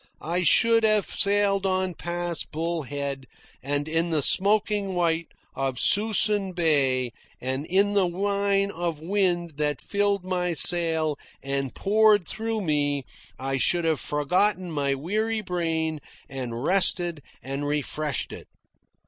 I should have sailed on past Bull Head, and in the smoking white of Suisun Bay, and in the wine of wind that filled my sail and poured through me, I should have forgotten my weary brain and rested and refreshed it.